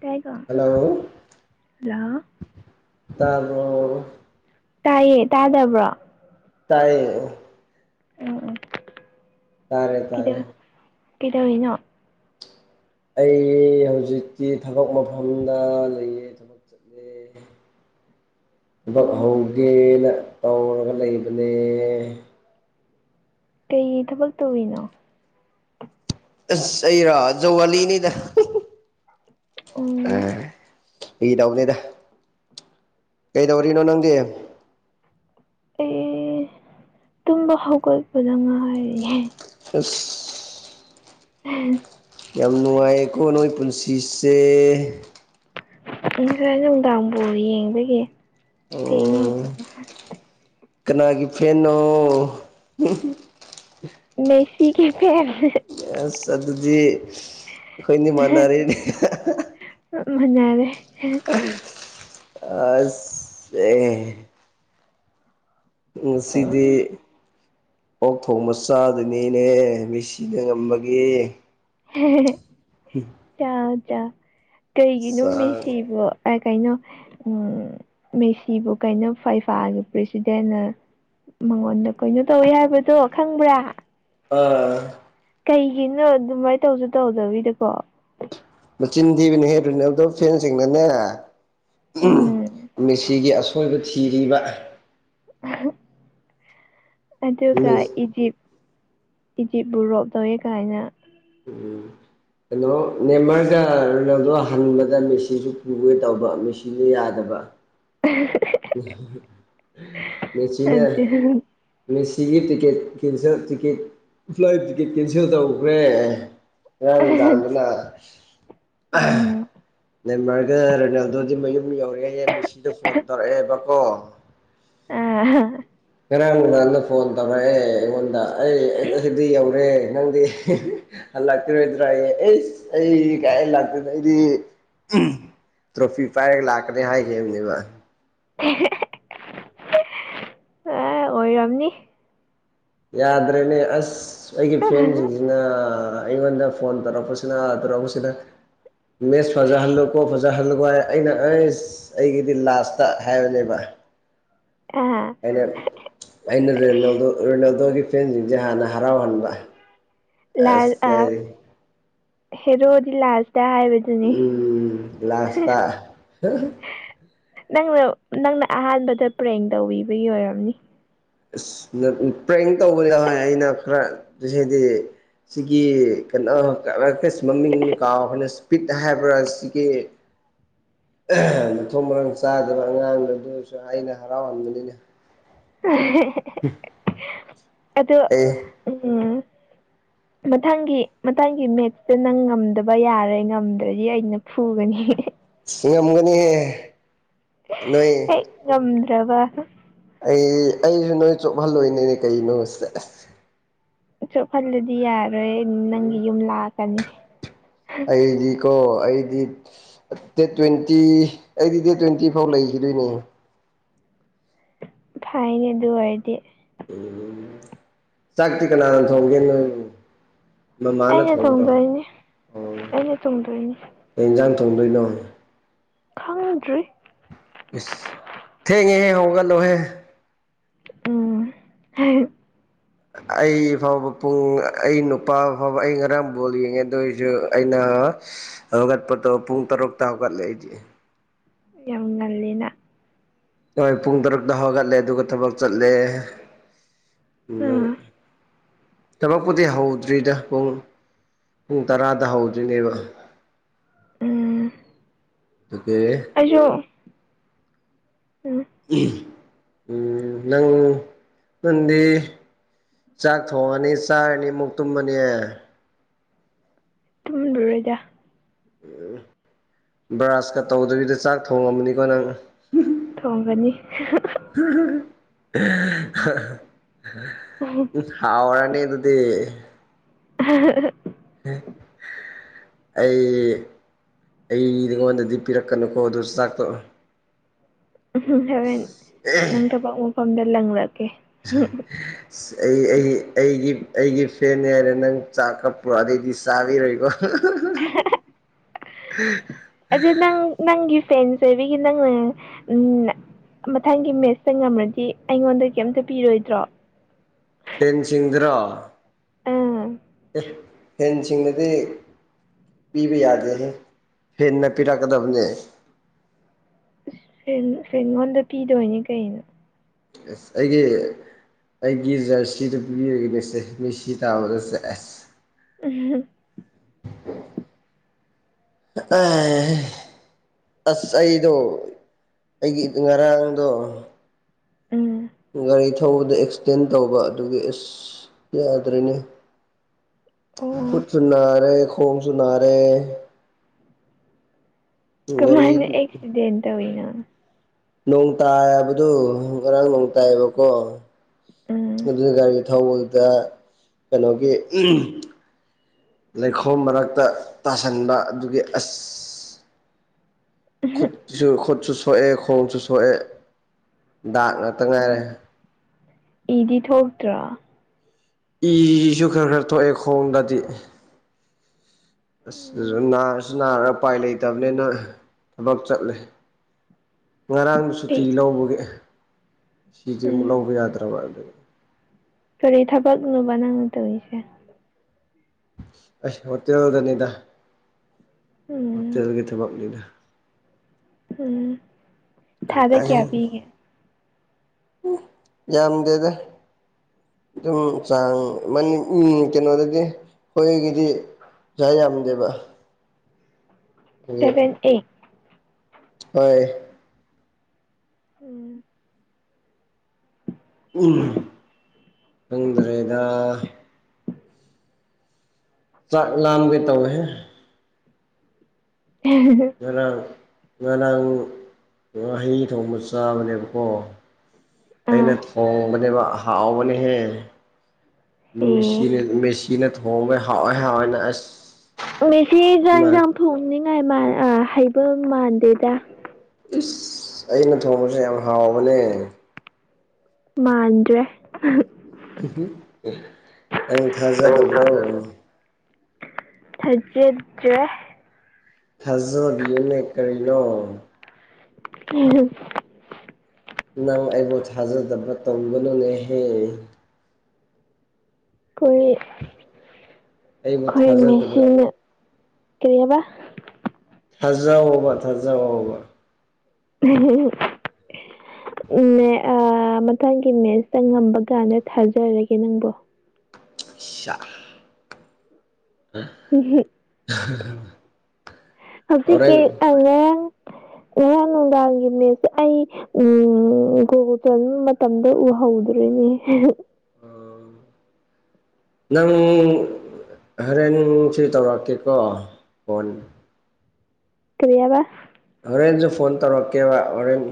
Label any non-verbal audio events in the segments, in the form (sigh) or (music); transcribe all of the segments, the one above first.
ꯇꯥꯏꯀꯣ hello hello ꯇꯥꯕ꯭ꯔꯣ꯫ ꯇꯥꯏꯌꯦ ꯇꯥꯗꯕ꯭ꯔꯣ꯫ ꯇꯥꯏꯌꯦ꯫ ꯎꯝ ꯎꯝ ꯇꯥꯔꯦ ꯀꯩꯗꯧ ꯇꯥꯔꯦ ꯀꯩꯗꯧꯔꯤꯅꯣ꯫ ꯑꯩ ꯍꯧꯖꯤꯛꯇꯤ ꯊꯕꯛ ꯃꯐꯝꯗ ꯂꯩꯌꯦ ꯊꯕꯛ ꯆꯠꯂꯦ꯫ ꯑꯦ꯫ ꯊꯕꯛ ꯑꯣ ꯍꯧꯒꯦꯅ ꯇꯧꯔꯒ ꯂꯩꯕꯅꯦ꯫ ꯀꯩ ꯊꯕꯛ ꯇꯧꯋꯤꯅꯣ꯫ ꯑꯁ ꯑꯩꯔꯥ ꯖꯧꯒꯥꯂꯤꯅꯤꯗ꯫ ꯑꯣ ꯑ ꯐꯒꯤ ꯇꯧꯕꯅꯦꯗ꯫ ꯀꯩꯗꯧꯔꯤꯅꯣ ꯅꯪꯗꯤ꯫ ꯑꯩ ꯇꯨꯝꯕ ꯍꯧꯒꯠꯄꯗ ꯉꯥꯏꯔꯤ꯫ ꯑꯁ꯫ ꯑꯍ꯫ ꯌꯥꯝ ꯅꯨꯡꯉꯥꯏꯌꯦꯀꯣ ꯅꯣꯏ ꯄꯨꯟꯁꯤꯁꯦ꯫ ꯉꯁꯥꯏ ꯅꯨꯡꯗꯥꯡ ꯕꯣꯜ ꯌꯦꯡꯕꯒꯤ ꯎꯝ ꯊꯦꯡꯅꯒ꯭ꯔꯕ꯫ ꯀꯅꯥꯒꯤ ꯐꯦꯟꯅꯣ꯫ (unintelligible) ꯃꯦꯁꯤꯒꯤ ꯐꯦꯟ꯫ ꯌꯦꯁ ꯑꯗꯨꯗꯤ ꯑꯩꯈꯣꯏ ꯑꯅꯤ ꯃꯥꯟꯅꯔꯤꯅꯦ꯫ ꯆꯞ ꯃꯥꯟꯅꯔꯦ꯫ ꯑꯥꯁ꯫ (unintelligible) ꯉꯁꯤꯗꯤ ꯑꯣꯛ ꯊꯣꯡꯕ ꯆꯥꯗꯣꯏꯅꯤꯅꯦ ꯃꯦꯁꯤꯅ ꯉꯝꯕꯒꯤ꯫ (unintelligible) (unintelligible) ꯆꯥꯎ ꯆꯥꯎ ꯀꯩꯒꯤꯅꯣ ꯆꯥꯛ ꯃꯦꯁꯤꯕꯣ ꯑ ꯀꯩꯅꯣ ꯎꯝ ꯃꯦꯁꯤꯕꯨ ꯀꯩꯅꯣ ꯐꯩꯐꯥꯒꯤ ꯄ꯭ꯔꯦꯁꯤꯗꯦꯟꯅ ꯃꯉꯣꯟꯗ ꯀꯩꯅꯣ ꯇꯧꯋꯤ ꯍꯥꯏꯕꯗꯣ ꯈꯪꯕ꯭ꯔꯥ꯫ ꯑꯥ ꯀꯩꯒꯤꯅꯣ ꯑꯗꯨꯃꯥꯏꯅ ꯇꯧꯖꯨ ꯇꯧꯗꯕꯤꯗꯀꯣ ꯃꯆꯤꯟ ꯊꯤꯕꯅꯤꯍꯦ ꯄ꯭ꯔꯤꯅꯦꯟꯗꯣ ꯐꯦꯟꯁꯤꯡꯅꯅꯦ ꯎꯝ ꯃꯦꯁꯤꯒꯤ‌ꯑ ꯁꯣꯏꯕ ꯊꯤꯔꯤꯕ ꯑꯗꯨꯒ ꯃꯤꯁ ꯏꯖꯤꯞ ꯏꯖꯤꯞꯕꯨ ꯔꯣꯟ ꯇꯧꯌꯦ ꯀꯥꯏꯅ ꯎꯝ ꯀꯩꯅꯣ ꯅꯦꯝꯃꯔꯒ ꯔꯣꯅꯥꯜꯗꯣ ꯍꯟꯕꯗ ꯃꯦꯁꯤꯁꯨ ꯄꯨꯒꯦ ꯇꯧꯕ ꯃꯦꯁꯤꯅ ꯌꯥꯗꯕ (unintelligible) ꯃꯦꯁꯤꯅ ꯑꯗꯨ ꯃꯦꯁꯤꯒꯤ ticket cancel ticket flight ticket cancel ꯇꯧꯈ꯭ꯔꯦ ꯉꯔꯥꯡ ꯗꯥꯡꯗꯅ ꯎꯝ ꯅꯦꯃꯔꯒ ꯔꯣꯅꯥꯜꯗꯣꯗꯤ ꯃꯌꯨꯝ ꯌꯧꯔꯛꯑꯦ ꯃꯤꯁꯤꯗ ꯐꯣꯟ ꯇꯧꯔꯛꯑꯦꯕꯀꯣ ꯑ ꯉꯔꯥꯡ ꯔꯥꯟꯗ ꯐꯣꯟ ꯇꯧꯔꯛꯑꯦ ꯑꯩꯉꯣꯟꯗ ꯑꯩ ꯑꯩꯗꯤ ꯌꯧꯔꯦ ꯅꯪꯗꯤ ꯍꯂꯛꯈꯤꯔꯣꯢꯗ꯭ꯔꯥꯌꯦ ꯑꯩꯁ ꯑꯩ ꯀꯥꯏ ꯂꯥꯛꯇꯣꯢꯅꯣ ꯑꯩꯗꯤ ꯎꯝ ꯇ꯭ꯔꯣꯐꯤ ꯄꯥꯏꯔꯒ ꯂꯥꯛꯀꯅꯤ ꯍꯥꯏꯒꯤꯝꯅꯦꯕ ꯑ ꯑꯣꯏꯔꯝꯅꯤ ꯌꯥꯗ꯭ꯔꯦꯅꯦ ꯑꯁ ꯑꯩꯒꯤ ꯐꯦꯟꯁꯤꯡꯖꯤ ꯅ ꯑꯩꯉꯣꯟꯗ ꯐꯣꯟ ꯇꯧꯔꯛꯄꯁꯤꯅ ꯇꯧꯔꯛꯄꯁꯤꯅ ꯃꯦꯁ ꯐꯖꯍꯜꯂꯨꯀꯣ ꯐꯖꯍꯜꯂꯨꯀꯣ ꯍꯥꯏ ꯑꯩꯅ ꯑꯩꯁ ꯑꯁ ꯑꯩꯒꯤꯗꯤ ꯂꯥꯁꯇ ꯍꯥꯏꯕꯅꯦꯕ ꯑ ꯑꯩꯅ ꯑꯩꯅ ꯔꯦꯟꯌꯧꯗꯣ ꯔꯣꯅꯥꯜꯗꯣꯒꯤ ꯐ꯭ꯔꯦꯟꯖꯤꯡꯖꯦ ꯍꯥꯟꯅ ꯍꯔꯥꯎꯍꯟꯕ ꯑꯁ ꯂꯥꯁ ꯀꯥꯏ ꯑ ꯍꯦꯔꯣꯗꯤ ꯂꯥꯁꯇꯥ ꯍꯥꯏꯕ ꯎꯝ ꯂꯥꯁꯇꯥ ꯅꯪꯅ ꯅꯪꯅ ꯑꯍꯥꯟꯕꯗ ꯄ꯭ꯔꯦꯡ ꯇꯧꯕꯤꯕꯒꯤ ꯑꯣꯏꯔꯝꯅꯤ ꯑꯁ ꯅꯠ ꯄ꯭ꯔꯦꯡ ꯇꯧꯗ ꯑꯍꯥꯏ ꯑꯩꯅ ꯈꯔ ꯅꯁꯤꯗꯤ ꯁꯤꯒꯤ ꯀꯩꯅꯣ ꯔꯀꯦꯁ ꯃꯃꯤꯡ ꯀꯥꯎꯈꯔꯦꯅꯣ ꯏꯁꯄꯤꯛ ꯍꯥꯏꯕ꯭ꯔꯥ ꯁꯤꯒꯤ ꯃꯊꯣꯡ ꯃꯔꯥꯡ ꯆꯥꯗꯕ ꯑꯉꯥꯡ ꯑꯗꯨꯑꯣꯔꯁꯨ ꯑꯩꯅ ꯍꯔꯥꯎꯍꯟꯕꯅꯤꯅꯦ ꯑꯗꯣ ꯑꯩ ꯎꯝ (inaudible) ꯃꯊꯪꯒꯤ ꯃꯊꯪꯒꯤ ꯃꯦꯠꯁꯇ ꯅꯪ ꯉꯝꯗꯕ ꯌꯥꯔꯣꯏ ꯉꯝꯗ꯭ꯔꯗꯤ ꯑꯩꯅ ꯐꯨꯒꯅꯤ ꯁꯣꯝꯒꯅꯤꯍꯦ ꯅꯣꯏ ꯍꯦꯛ ꯉꯝꯗ꯭ꯔꯕ ꯑꯩ ꯑꯩꯖꯨ ꯅꯣꯏ ꯆꯣꯞꯍꯜꯂꯣꯏꯅꯦ ꯀꯩꯔꯤꯅꯣ ꯁꯦꯁ ꯆꯣꯞꯍꯜꯂꯗꯤ ꯌꯥꯔꯣꯏꯍꯦ ꯅꯪꯒꯤ ꯌꯨꯝ ꯂꯥꯛꯀꯅꯤ ꯑꯩꯗꯤꯀꯣ ꯑꯩꯗꯤ ꯗꯦꯠ ꯇ꯭ꯋꯦꯟꯇꯤ ꯑꯩꯗꯤ ꯗꯦꯠ ꯇ꯭ꯋꯦꯟꯇꯤ ꯐꯥꯎ ꯂꯩꯈꯤꯗꯣꯏꯅꯦ ꯐꯥꯏꯅꯦ ꯑꯗꯨ ꯑꯣꯏꯔꯗꯤ ꯎꯝ ꯆꯥꯛꯇꯤ ꯀꯅꯥꯅ ꯊꯣꯡꯒꯦ ꯅꯣꯢꯕꯨ ꯑꯩꯩꯅ ꯇꯣꯡꯗꯣꯏꯅꯦ ꯑꯣ ꯑꯩ ꯇꯣꯡꯗꯣꯏꯅꯦ ꯀꯩ ꯏꯟꯖꯥꯡ ꯊꯣꯡꯗꯣꯏꯅꯣ ꯈꯪꯗ꯭ꯔꯤ ꯊꯦꯡꯉꯦꯍꯦ ꯍꯧꯒꯠꯂꯣꯍꯦ (unintelligible) ꯑꯩ ꯐꯥꯎꯕ ꯄꯨꯡ ꯑꯩ ꯅꯨꯄꯥ ꯐꯥꯎꯕ ꯑꯩ ꯉꯔꯥꯡ ꯕꯣꯜ ꯌꯦꯡꯉꯦ ꯑꯗꯨ ꯑꯣꯏꯖꯨ ꯑꯩꯅ ꯍꯧꯒꯠꯄꯗꯣ ꯄꯨꯡ ꯇꯔꯨꯛꯇ ꯍꯧꯒꯠꯂꯦ ꯑꯩꯗꯤ꯫ ꯌꯥꯝ ꯉꯜꯂꯦꯅ꯫ ꯍꯣꯏ ꯄꯨꯡ ꯇꯔꯨꯛꯇ ꯍꯧꯒꯠꯂꯦ ꯑꯗꯨꯒ ꯊꯕꯛ ꯆꯠꯂꯦ ꯑꯗꯨꯒ ꯎꯝ ꯊꯕꯛꯄꯨꯗꯤ ꯍꯧꯗ꯭ꯔꯤꯗ ꯄꯨꯡ ꯄꯨꯡ ꯇꯔꯥꯗ ꯍꯧꯗꯣꯏꯅꯦꯕ꯫ ꯎꯝ ꯑꯗꯨꯗꯤ ꯑꯩꯁꯨ ꯎꯝ ꯎ ꯅꯪ ꯅꯪꯗꯤ ꯆꯥꯛ ꯊꯣꯡꯉꯅꯤ ꯆꯥꯔꯅꯤ ꯑꯃꯨꯛ ꯇꯨꯝꯃꯅꯤ꯫ ꯇꯨꯝꯒꯤꯔꯣꯏꯗꯥ꯫ ꯕ꯭ꯔꯥꯁꯀ ꯇꯧꯗꯕꯤꯗ ꯆꯥꯛ ꯊꯣꯡꯉꯝꯕꯅꯤꯀꯣ ꯅꯪ꯫ ꯊꯣꯡꯒꯅꯤ (unintelligible) ꯎꯝ ꯎ ꯍꯥꯎꯔꯅꯤ ꯑꯗꯨꯗꯤ꯫ (unintelligible) ꯎꯝ ꯑꯩ ꯑꯩꯉꯣꯟꯗꯗꯤ ꯄꯤꯔꯛꯀꯅꯨꯀꯣ ꯑꯗꯨ ꯆꯥꯛꯇꯣ꯫ ꯎꯝ ꯍꯣꯔꯦꯟ ꯅꯪ ꯊꯕꯛ ꯃꯐꯝꯗ ꯂꯪꯂꯛꯀꯦ꯫ (unintelligible) ꯑꯁ ꯑꯩ ꯑꯩ ꯑꯩꯒꯤ ꯑꯩꯒꯤ ꯐ꯭ꯔꯦꯟꯅꯦ ꯍꯥꯏꯅ ꯅꯪ ꯆꯥꯛꯀꯥ ꯄ꯭ꯔꯣꯛꯑꯗꯩꯗꯤ ꯑꯩꯗꯤ ꯆꯥꯕꯤꯔꯣꯏꯀꯣ꯫ (unintelligible) ꯑꯗꯨ ꯅꯪ ꯅꯪꯒꯤ ꯐꯦꯟꯁꯦ ꯑꯣꯏꯕꯒꯤ ꯅꯪꯅ ꯎꯝ ꯃꯊꯪꯒꯤ ꯃꯦꯠꯁꯇ ꯉꯝ꯭ꯃꯗꯤ ꯑꯩꯉꯣꯟꯗ ꯀꯩꯝꯇ ꯄꯤꯔꯣꯏꯗ꯭ꯔꯣ? ꯐꯦꯟꯁꯤꯡꯗꯔꯣ꯫ ꯎꯝ ꯐꯦꯟꯁꯤꯡꯅꯗꯤ ꯄꯤꯕ ꯌꯥꯗꯦꯍꯦ ꯐꯦꯟꯅ ꯄꯤꯔꯛꯀꯗꯕꯅꯦ꯫ ꯐꯦꯟꯔ ꯐꯦꯟꯔ ꯑꯩꯉꯣꯟꯗ ꯄꯤꯗꯣꯏꯅꯦ ꯀꯩꯅꯣ꯫ ꯑꯦꯁ ꯑꯩꯒꯤ ꯑꯩꯒꯤ ꯖꯔꯁꯤꯗꯨ ꯄꯤꯕꯤꯔꯒꯤꯅꯦꯁꯦ ꯃꯤꯁꯤ ꯇꯥꯕꯗ ꯆꯠꯑꯁ ꯎꯝꯍꯨꯝ (inaudible) ꯑ ꯑꯁ ꯑꯩꯗꯣ ꯑꯩꯒꯤ ꯉꯔꯥꯡꯗꯣ ꯎꯝ ꯒꯥꯔꯤ ꯊꯧꯕꯗ ꯑꯦꯛꯁꯗꯦꯟ ꯇꯧꯕ ꯑꯗꯨꯒꯤ ꯑꯦꯁ ꯌꯥꯗ꯭ꯔꯅꯦ꯫ ꯑꯣ ꯈꯨꯠꯁꯨꯅꯥꯔꯦ ꯈꯣꯡꯁꯨꯟꯅꯅꯥꯔꯦ꯫ ꯒꯥꯔꯤ ꯀꯃꯥꯏꯅ ꯑꯦꯛꯁꯤꯗꯦꯟꯇ ꯇꯧꯏꯅꯣ꯫ ꯅꯣꯡ ꯇꯥꯏꯕꯗꯣ ꯉꯔꯥꯡ ꯅꯣꯡ ꯇꯥꯏꯌꯦꯕꯀꯣ ꯎꯝ ꯑꯗꯨꯗ ꯒꯥꯔꯤ ꯊꯧꯕꯗ ꯀꯩꯅꯣꯒꯤ ꯑꯝ ꯂꯩꯈꯣꯝ ꯃꯔꯛꯇ ꯇꯥꯁꯟꯕ ꯑꯗꯨꯒꯤ ꯑꯁ ꯈꯨꯠꯁꯨ ꯈꯨꯠꯁꯨ ꯁꯣꯛꯑꯦ ꯈꯣꯡꯁꯨ ꯁꯣꯛꯑꯦ ꯗꯥꯛ ꯉꯥꯛꯇ ꯉꯥꯏꯔꯦ ꯏꯗꯤ ꯊꯣꯛꯇ꯭ꯔꯣ ꯏꯁꯨ ꯈꯔ ꯈꯔ ꯊꯣꯛꯑꯦ ꯈꯣꯡꯗꯗꯤ ꯎꯝ ꯑꯁ ꯅꯥꯔꯁꯨ ꯅꯥꯔ ꯎꯄꯥꯏ ꯂꯩꯇꯕꯅꯤꯅ ꯊꯕꯛ ꯆꯠꯂꯦ ꯉꯔꯥꯡꯗꯨ ꯁꯨꯇꯤ ꯂꯧꯕꯒꯦ ꯁꯤꯗꯤ ꯑꯃꯨꯛ ꯎꯝ ꯂꯧꯕ ꯌꯥꯗ꯭ꯔꯕ ꯑꯗꯨꯅꯤ ꯀꯔꯤ ꯊꯕꯛ ꯅꯣꯕ ꯅꯪꯅ ꯇꯧꯔꯤꯁꯦ ꯑꯁ ꯍꯣꯇꯦꯜꯗꯅꯦꯗ ꯎꯝ ꯍꯣꯇꯦꯜꯒꯤ ꯊꯕꯛꯅꯤꯅ ꯎꯝ ꯊꯥꯗ ꯀꯌꯥ ꯑꯩꯍꯤꯟ ꯄꯤꯒꯦ ꯌꯥꯝꯗꯦꯗ ꯑꯗꯨꯝ ꯆꯥꯡ ꯃꯅꯤꯡꯒꯤ ꯀꯩꯅꯣꯗꯗꯤ ꯑꯩꯈꯣꯏꯒꯤꯗꯤ ꯆꯥ ꯌꯥꯝꯗꯦꯕ ꯁꯚꯦꯟ ꯑꯩꯠ (unintelligible) ꯍꯣꯏ ꯎꯝ ꯈꯪꯗ꯭ꯔꯦꯗ ꯆꯥꯛ ꯂꯥꯝꯒꯦ ꯇꯧꯋꯦꯍꯦ (unintelligible) ꯉꯔꯥꯡ ꯉꯔꯥꯡ ꯉꯥꯍꯩ ꯊꯣꯡꯕ ꯆꯥꯕꯅꯦꯕꯀꯣ ꯑꯩꯅ ꯑꯥ ꯊꯣꯡꯕꯅꯦꯕ ꯍꯥꯎꯕꯅꯦꯍꯦ ꯑꯦ ꯃꯦꯁꯤꯅ ꯃꯦꯁꯤꯅ ꯊꯣꯡꯕ ꯍꯥꯎꯋꯦ ꯍꯥꯎꯋꯦꯅ ꯑꯁ ꯃꯦꯁꯤ ꯖꯥꯡ ꯏꯃꯥꯟ ꯏꯟꯖꯥꯡ ꯊꯣꯡꯅꯤꯡꯉꯥꯏ ꯃꯥ ꯑꯥ ꯍꯩꯕ ꯃꯥꯟꯗꯦꯗ ꯏꯁ ꯑꯩꯅ ꯊꯣꯡꯕꯁꯦ ꯌꯥꯝ ꯍꯥꯎꯕꯅꯦ ꯃꯥꯥꯟꯗ꯭ꯔꯦ (unintelligible) ꯅꯪ ꯊꯥꯖꯗꯕ꯭ꯔꯣ ꯊꯥꯖꯗ꯭ꯔꯦ ꯊꯥꯖꯕꯤꯌꯣꯅꯦ ꯀꯔꯤꯅꯣ (unintelligible) ꯅꯪ ꯑꯩꯕꯨ ꯊꯥꯖꯗꯕ ꯇꯧꯒꯅꯨꯅꯦꯍꯦ ꯈꯣꯏ ꯑꯩꯕꯨ ꯑꯈꯣꯏ ꯊꯥꯖꯗꯕ ꯃꯦꯁꯤꯅ ꯀꯔꯤ ꯍꯕ ꯊꯥꯖꯥꯑꯣꯕ ꯊꯥꯖꯑꯣꯕ (unintelligible) ꯎꯝꯃꯦ ꯑꯥ ꯃꯊꯪꯒꯤ ꯃꯦꯠꯁꯇ ꯉꯝꯕ ꯀꯥꯟꯗ ꯊꯥꯖꯔꯒꯦ ꯅꯪꯕꯨ ꯁꯥ (unintelligible) (unintelligible) (unintelligible) ꯍꯧꯖꯤꯛꯀꯤ ꯍꯣꯔꯦꯟ ꯑꯪ ꯉꯔꯥꯡ ꯉꯔꯥꯡ ꯅꯨꯡꯗꯥꯡꯒꯤ ꯃꯦꯠꯁꯇ ꯑꯩ ꯎꯝ ꯒꯣꯒꯨ ꯆꯟ ꯃꯇꯝꯗ ꯎꯍꯧꯗ꯭ꯔꯤꯅꯦ ꯑꯣ ꯅꯪ ꯍꯣꯔꯦꯟ ꯁꯤ ꯇꯧꯔꯛꯀꯦꯀꯣ ꯐꯣꯟ ꯀꯔꯤ ꯍꯥꯕ ꯍꯣꯔꯦꯟꯁꯨ ꯐꯣꯟ ꯇꯧꯔꯛꯀꯦꯕ ꯍꯣꯔꯦꯟ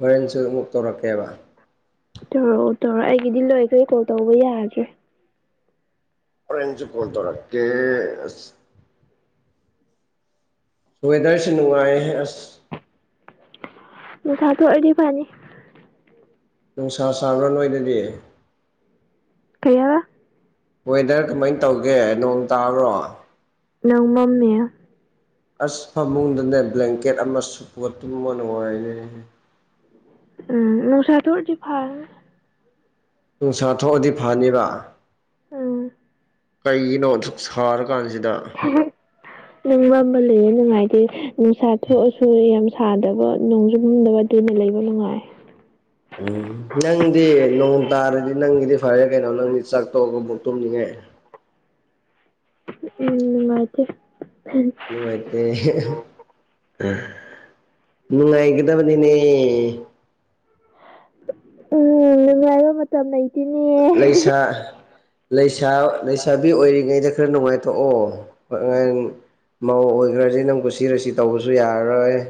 ꯍꯣꯔꯦꯟꯁꯨ ꯑꯃꯨꯛ ꯇꯧꯔꯛꯀꯦꯕ ꯇꯧꯔꯛꯑꯣ ꯇꯧꯔꯛꯑꯣ ꯑꯩꯒꯤꯗꯤ ꯂꯣꯏꯈ꯭ꯔꯦ ꯀꯣꯜ ꯇꯧꯕ ꯌꯥꯗ꯭ꯔꯦ ꯍꯣꯔꯦꯟꯖꯨ ꯀꯣꯜ ꯇꯧꯔꯛꯀꯦ ꯑꯁ ꯋꯦꯗꯔꯁꯤ ꯅꯨꯡꯉꯥꯏꯌꯦꯍꯦ ꯑꯁ ꯅꯨꯁꯥ ꯊꯣꯛꯑꯗꯤ ꯐꯅꯤ ꯅꯨꯡꯁꯥ ꯁꯥꯕ꯭ꯔꯥ ꯅꯣꯏꯗꯗꯤ ꯑꯌꯥ ꯋꯦꯗꯔ ꯀꯃꯥꯏꯟ ꯇꯧꯒꯦ ꯅꯣꯡ ꯇꯥꯕ꯭ꯔꯣ ꯅꯪ ꯃꯝꯃꯦ ꯑꯁ ꯐꯃꯨꯡꯗꯅꯦ ꯕ꯭ꯂꯦꯡꯀꯦꯠ ꯑꯃꯥ ꯁꯨꯄꯒ ꯇꯨꯝꯕ ꯅꯨꯡꯉꯥꯏꯅꯦꯍꯦ ꯎꯝ ꯅꯨꯡꯁꯥ ꯊꯣꯛꯔꯗꯤ ꯐꯥꯔ (unintelligible) ꯅꯨꯡꯁꯥ ꯊꯣꯛꯑꯗꯤ ꯐꯅꯤꯕ ꯎꯝ ꯀꯩꯒꯤꯅꯣ ꯗꯨꯛ ꯁꯥꯔ ꯀꯥꯟꯖꯤꯗ ꯅꯪ ꯃꯝꯕ ꯂꯩꯌꯦ ꯅꯨꯡꯉꯥꯏꯇꯦ ꯅꯨꯡꯁꯥ ꯊꯣꯛꯑꯁꯨ ꯌꯥꯝ (unintelligible) ꯁꯥꯗꯕ ꯅꯣꯡꯖꯨ ꯃꯝꯗꯕ ꯗꯨꯅ ꯂꯩꯕ ꯅꯨꯡꯉꯥꯏ ꯎꯝ ꯅꯪꯗꯤ ꯅꯣꯡ ꯇꯥꯔꯗꯤ ꯅꯪꯒꯤꯗꯤ ꯐꯔꯦ ꯀꯩꯅꯣ ꯅꯪꯗꯤ ꯆꯥꯛ ꯇꯣꯛꯑꯒ ꯑꯃꯨꯛ ꯇꯨꯝꯅꯤꯡꯉꯥꯏ ꯎꯝ ꯅꯨꯡꯉꯥꯏꯇꯦ ꯅꯨꯡꯉꯥꯏꯇꯦ ꯅꯨꯉꯥꯏꯒꯗꯕꯅꯤꯅꯦ ꯎꯝ ꯅꯨꯉꯥꯏꯕ ꯃꯠ (unintelligible) ꯇꯝ ꯂꯩꯇꯦꯅꯦ ꯂꯩꯁꯥ ꯂꯩꯁꯥ ꯂꯩꯁꯥꯕꯤ ꯑꯣꯏꯔꯤꯉꯩꯗ ꯈꯔ ꯅꯨꯡꯉꯥꯏꯊꯣꯛꯑꯣ ꯅꯪ ꯃꯧ ꯑꯣꯏꯈ꯭ꯔꯗꯤ ꯅꯪ ꯀꯨꯁꯤꯔꯥꯁꯤ ꯇꯧꯕꯁꯨ ꯌꯥꯔꯔꯣꯏ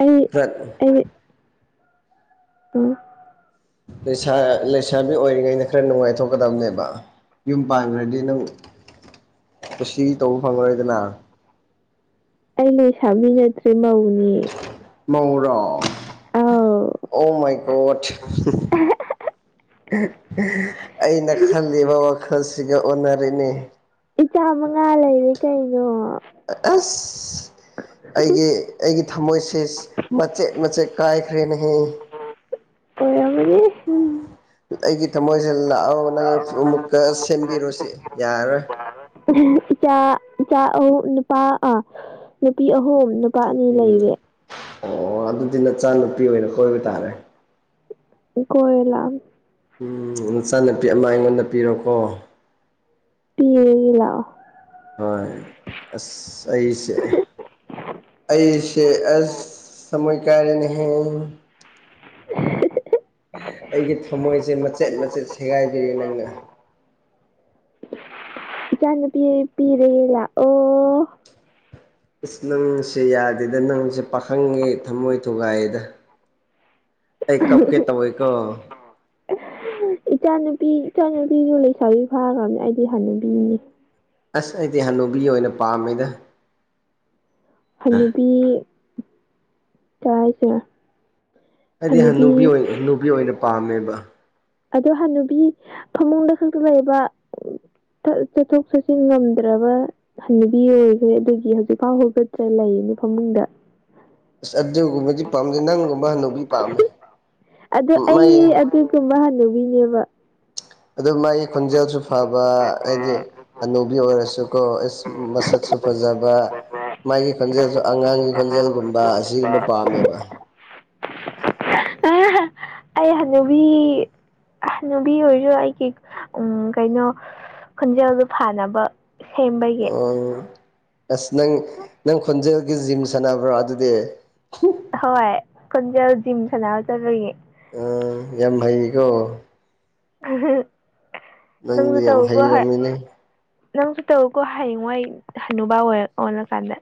ꯑꯩ ꯈꯠ (unintelligible) ꯑꯩ ꯎꯝ ꯂꯩꯁꯥ ꯂꯩꯁꯥꯕꯤ ꯑꯣꯏꯔꯤꯉꯩꯩꯅ ꯈꯔ ꯅꯨꯡꯉꯥꯏꯊꯣꯛꯀꯗꯝꯅꯦꯕ ꯌꯨꯝ ꯄꯥꯟꯈ꯭ꯔꯗꯤ ꯅꯪ ꯀꯨꯁꯤ ꯇꯧꯕ ꯐꯪꯉꯔꯣꯏꯗꯅ ꯑꯩ ꯂꯩꯁꯥꯕꯤ ꯅꯠꯇ꯭ꯔꯦ ꯃꯧꯅꯦ ꯃꯧꯔꯣ ꯑꯥꯎ ꯑꯣ ꯃꯥꯏ ꯒꯣꯠ (unintelligible) ꯑꯩꯅ ꯈꯜꯂꯤꯕ ꯋꯥꯈꯜꯁꯤꯒ ꯑꯣꯟꯅꯔꯦꯅꯦ ꯏꯆꯥ ꯃꯉꯥ ꯂꯩꯔꯦ ꯀꯩꯅꯣ ꯑꯁ ꯑꯩꯒꯤ ꯑꯩꯒꯤ ꯊꯃꯣꯏꯁꯦ ꯃꯆꯦꯠ ꯃꯆꯦꯠ ꯀꯥꯏꯈ꯭ꯔꯦꯅꯦ ꯍꯝ ꯑꯣꯏꯔꯝꯃꯅꯤ ꯑꯩꯒꯤ (unintelligible) ꯊꯃꯣꯏꯁꯦ ꯂꯥꯛꯑꯣ ꯅꯪ ꯑꯃꯨꯛꯇ ꯁꯦꯝꯕꯤꯔꯣꯁꯦ ꯌꯥꯔꯔꯣꯏ ꯏꯆꯥ ꯏꯆꯥ ꯑꯍꯨꯝ ꯅꯨꯄꯥ ꯑꯥ ꯅꯨꯄꯤ ꯑꯍꯨꯝ ꯅꯨꯞ ꯎꯝ ꯑꯣ ꯑꯗꯨꯗꯤ ꯅꯆꯥꯅꯨꯄꯤ ꯑꯣꯏꯅ ꯀꯣꯏꯕ ꯇꯥꯔꯦ ꯀꯣꯏꯔ ꯂꯥꯛꯑꯣ ꯎꯝ ꯅꯆꯥꯅꯨꯄꯤ ꯑꯃ ꯑꯩꯉꯣꯟꯗ ꯄꯤꯔꯣꯀꯣ ꯄꯤꯔꯒꯦ ꯂꯥꯛꯑꯣ ꯍꯣꯏ ꯑꯁ ꯑꯩꯁꯦ ꯑꯩꯁꯦ ꯑꯁ ꯊꯃꯣꯏ ꯀꯥꯏꯔꯦꯅꯦꯍꯦ (unintelligible) ꯑꯩꯒꯤ ꯊꯝꯃꯣꯏꯁꯦ ꯃꯆꯦꯠ ꯃꯆꯦꯠ ꯁꯦꯒꯥꯏꯕꯤꯔꯦ ꯅꯪꯅ ꯏꯆꯥ ꯅꯨꯄꯤ ꯄꯤꯔꯒꯦ ꯂꯥꯛꯑꯣ ꯏꯁ ꯅꯪꯁꯦ ꯌꯥꯗꯦꯗ ꯅꯪꯁꯦ ꯄꯥꯈꯪꯒꯤ ꯊꯃꯣꯏ ꯊꯨꯒꯥꯏꯌꯦꯗ ꯑꯩ ꯀꯞꯀꯦ ꯇꯧꯋꯦꯀꯣ (unintelligible) ꯏꯆꯥꯅꯨꯄꯤ ꯏꯆꯥꯅꯨꯄꯤꯁꯨ ꯂꯩꯁꯥꯕꯤ ꯐꯥꯈ꯭ꯔꯝꯅꯦ ꯑꯩꯗꯤ ꯍꯥꯅꯨꯕꯤꯅꯤ ꯑꯁ ꯑꯩꯗꯤ ꯍꯟꯅꯨꯕꯤ ꯑꯣꯏꯅ ꯄꯥꯝꯃꯤꯗ ꯍꯅꯨꯕꯤ ꯇꯥꯢꯁꯦ ꯍꯥꯏꯗꯤ ꯍꯟꯅꯨꯕꯤ ꯑꯣꯏ ꯍꯟꯅꯨꯕꯤ ꯑꯣꯏꯅ ꯄꯥꯝꯃꯦꯕ ꯑꯗꯣ ꯍꯟꯅꯨꯕꯤ ꯐꯃꯨꯡꯗ ꯈꯛꯇ ꯂꯩꯕ ꯆꯠ ꯆꯠꯊꯣꯛ ꯄꯁꯨ ꯉꯝꯗ꯭ꯔꯕ ꯍꯟꯅꯨꯕꯤ ꯑꯣꯢꯒ꯭ꯔꯦ ꯑꯗꯨꯒꯤ ꯍꯧꯖꯤꯛꯐꯥꯎ ꯍꯧꯒꯠꯇ ꯂꯩꯔꯤꯅꯤ ꯐꯃꯨꯡꯗ ꯑꯁ ꯑꯗꯨꯒꯨꯝꯕꯗꯤ ꯄꯥꯝꯗꯦ ꯅꯪꯒꯨꯝꯕ ꯍꯅꯨꯕꯤ ꯄꯥꯝꯃꯦ ꯑꯗꯣ ꯃꯥꯏ ꯑꯩ ꯑꯗꯨꯒꯨꯝꯕ ꯍꯅꯨꯕꯤꯅꯦꯕ ꯑꯗꯨꯒ ꯃꯥꯢ ꯈꯣꯟꯖꯦꯜꯁꯨ ꯐꯕ ꯍꯥꯏꯗꯤ ꯍꯅꯨꯕꯤ ꯑꯣꯏꯔꯁꯨꯀꯣ ꯑꯦꯁ ꯃꯁꯛꯁꯨ ꯐꯖꯕ ꯃꯥꯒꯤ ꯈꯣꯟꯖꯦꯜꯁꯨ ꯑꯉꯥꯡꯒꯤ ꯈꯣꯟꯖꯦꯜꯒꯨꯝꯕ ꯑꯁꯤꯒꯨꯝꯕ ꯄꯥꯝꯃꯦꯕ ꯑꯩ ꯍꯅꯨꯕꯤ ꯍꯅꯨꯕꯤ ꯑꯣꯏꯔꯁꯨ ꯑꯩꯒꯤ ꯎꯝ ꯀꯩꯅꯣ ꯈꯣꯟꯖꯦꯜꯗꯨ ꯐꯥꯅꯕ ꯁꯦꯝꯕꯒꯤ ꯑꯪ ꯑꯁ ꯅꯪ ꯅꯪ ꯈꯣꯟꯖꯦꯜꯒꯤ ꯖꯤꯝ ꯁꯥꯟꯅꯕ꯭ꯔꯣ ꯑꯗꯨꯗꯤ (unintelligible) ꯍꯣꯏ ꯈꯣꯟꯖꯦꯜ ꯖꯤꯝ ꯁꯥꯟꯅꯕ ꯆꯠꯂꯨꯏꯌꯦ ꯑꯣ ꯌꯥꯝ ꯐꯩꯀꯣ (unintelligible) ꯅꯪꯁꯨ ꯅꯪꯗꯤ ꯌꯥꯝ ꯇꯧꯕꯣ ꯍꯣꯏ ꯍꯩꯔꯝꯃꯤꯅꯦ ꯅꯪꯁꯨ ꯇꯧꯌꯣꯀꯣ ꯍꯌꯦꯡꯋꯥꯏ ꯍꯅꯨꯕꯥ ꯑꯣꯏ ꯑꯣꯏꯔ ꯀꯥꯟꯗ